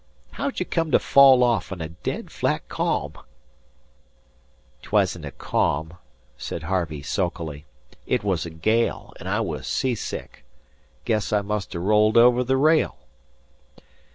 How'd you come to fall off in a dead flat ca'am?" "'Twasn't a calm," said Harvey, sulkily. "It was a gale, and I was seasick. Guess I must have rolled over the rail."